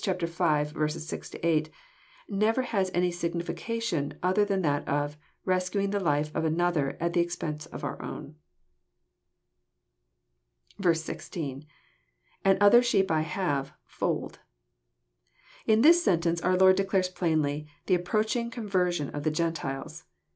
v. 6 — 8, never has any signification other than that of" rescuing the life of another at the expense of our own." 16. — lAnd other sheep I have,.. fold,'] In this sentence, our Lord declares plainly the approaching conversion of the Gentilei».